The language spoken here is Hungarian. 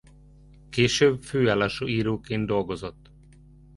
Később főállású íróként dolgozott.